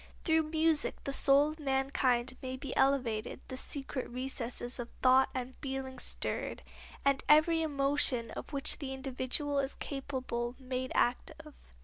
Through music the soul of mankind may be elevated, the secret recesses of thought and feeling stirred, and every emotion of which the individual is capable made active.